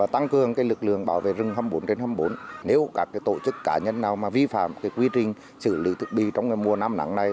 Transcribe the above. tăng cường lực lượng bảo vệ rừng hai mươi bốn trên hai mươi bốn nếu các tổ chức cá nhân nào vi phạm quy trình xử lý thực bị trong mùa năm nắng này